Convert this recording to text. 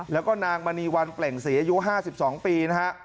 แล้วก็นางมณีวันเปล่งศรีอายุ๕๒ปีนะฮะ